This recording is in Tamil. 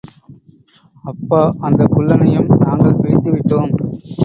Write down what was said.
அப்பா அந்தக் குள்ளனையும் நாங்கள் பிடித்து விட்டோம்.